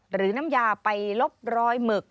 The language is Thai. หรือน้ำยาไปลบรอยหมึก